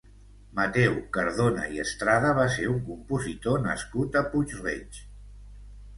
Mateu Cardona i Estrada va ser un compositor nascut a Puig-reig.